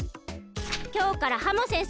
きょうからハモ先生